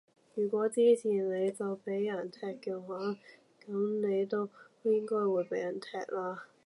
如果支持你就畀人踢嘅話，噉你都應該會畀人踢啦